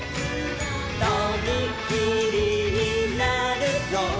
「とびきりになるぞ」